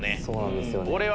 そうなんですよね。